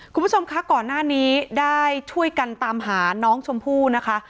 คุณผู้ชมคะก่อนหน้านี้ได้ช่วยกันตามหาน้องชมพู่นะคะ